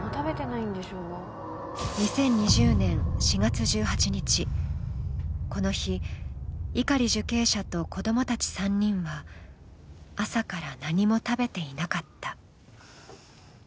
２０２０年４月１８日、この日、碇受刑者と子供たち３人は朝から何も食べていなかった。